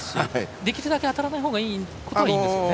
できるだけ当たらないほうがいいことは、いいんですよね。